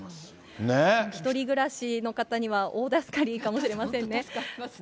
１人暮らしの方には大助かりかもしれませんね。